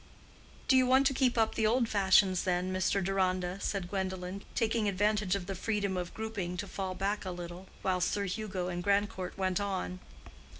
"Do you want to keep up the old fashions, then, Mr. Deronda?" said Gwendolen, taking advantage of the freedom of grouping to fall back a little, while Sir Hugo and Grandcourt went on.